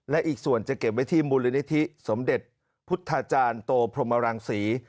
และอีกส่วนจะเก็บไว้ที่มูลนิธิสมเด็จพุทธาจารย์โตพรหมรังศรี